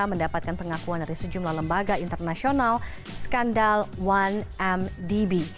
kemampuan dari sejumlah lembaga internasional skandal satu mdb